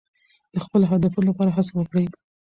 د خپلو هدفونو لپاره هڅه وکړئ.